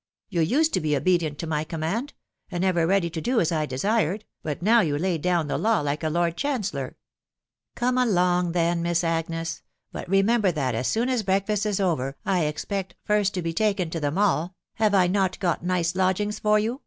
. You used to be obedient to command, and ever ' ready to do aa I desired, but now you, fog fawti ^t&'Sx* ^Stat ^ 432 THB WIDOW BABZTABY. lord chancellor. Come along, then, Miss Agnes; but remember that, as soon as breakfast is over, I expect, first to be taken to the Mall (have I not got nice lodgings for you